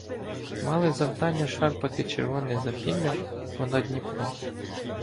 Мали завдання шарпати червоне запілля понадДніпром.